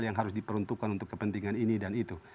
yang harus diperuntukkan untuk kepentingan ini dan itu